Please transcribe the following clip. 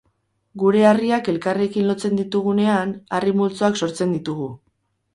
Gure harriak elkarrekin lotzen ditugunean, harri multzoak sortzen ditugu.